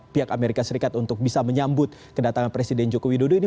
pihak amerika serikat untuk bisa menyambut kedatangan presiden joko widodo ini